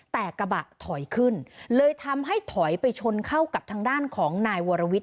แต่กระบะถอยขึ้นเลยทำให้ถอยไปชนเข้ากับทางด้านของนายวรวิทย